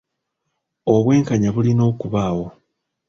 Obwenkanya bulina okubaawo.